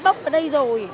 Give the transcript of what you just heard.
bốc ở đây rồi